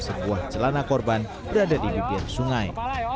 sebuah celana korban berada di bibir sungai